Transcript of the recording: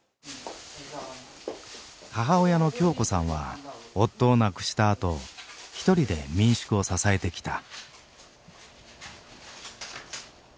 母親の京子さんは夫を亡くしたあと一人で民宿を支えてきた。